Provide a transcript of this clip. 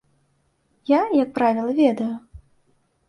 Я, як правіла, ведаю.